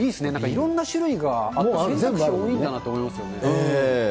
いろんな種類が、選択肢が多いんだなと思いますよね。